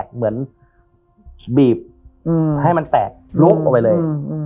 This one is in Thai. ให้มันแตกลุกไปเลย